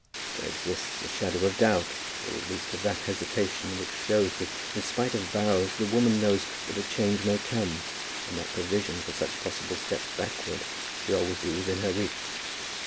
There exists a shadow of doubt, at least of that hesitation which shows that in spite of vows the woman knows that a change may come, and that provision for such possible steps backward should always be within her reach.